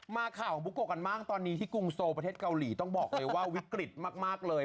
มาข่าวของบุโกะกันบ้างตอนนี้ที่กรุงโซประเทศเกาหลีต้องบอกเลยว่าวิกฤตมากเลย